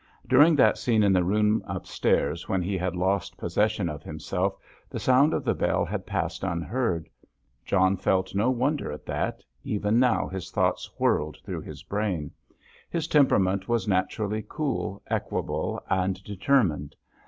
During that scene in the room upstairs, when he had lost possession of himself, the sound of the bell had passed unheard. John felt no wonder at that; even now his thoughts whirled through his brain. His temperament was naturally cool, equable, and determined.